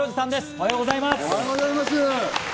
おはようございます。